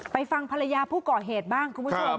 ฟังภรรยาผู้ก่อเหตุบ้างคุณผู้ชม